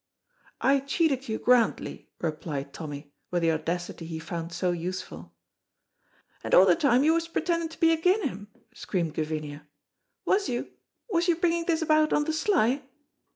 "I cheated you grandly," replied Tommy with the audacity he found so useful. "And a' the time you was pretending to be agin him," screamed Gavinia, "was you was you bringing this about on the sly?"